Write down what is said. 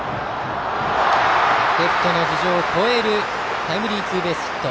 レフトの頭上を越えるタイムリーツーベースヒット。